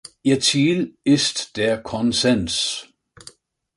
Ihr Ziel ist der Konsens.